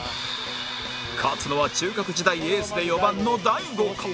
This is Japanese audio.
勝つのは中学時代エースで４番の大悟か？